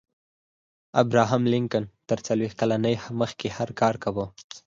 ابراهم لينکن تر څلوېښت کلنۍ مخکې هر کار کاوه.